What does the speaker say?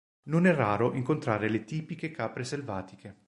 Non è raro incontrare le tipiche capre selvatiche.